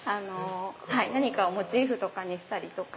何かをモチーフにしたりとか。